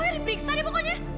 yang diperiksa pokoknya